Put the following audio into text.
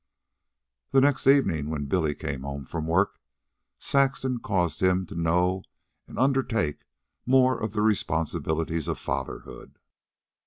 The next evening when Billy came home from work, Saxon caused him to know and undertake more of the responsibilities of fatherhood.